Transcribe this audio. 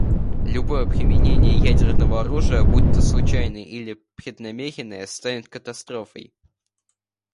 Любое применение ядерного оружия, будь-то случайное или преднамеренное, станет катастрофой.